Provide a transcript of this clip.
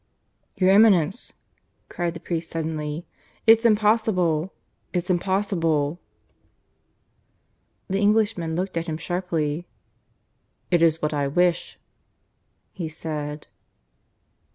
"Your Eminence," cried the priest suddenly, "it's impossible ... it's impossible." The Englishman looked at him sharply. "It is what I wish," he said.